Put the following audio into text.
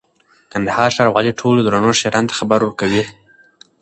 کندهار ښاروالي ټولو درنو ښاريانو ته خبر ورکوي: